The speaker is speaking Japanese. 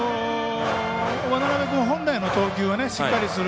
渡邊君、本来の投球をしっかりする。